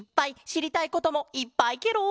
しりたいこともいっぱいケロ！